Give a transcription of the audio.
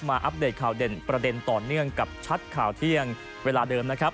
อัปเดตข่าวเด่นประเด็นต่อเนื่องกับชัดข่าวเที่ยงเวลาเดิมนะครับ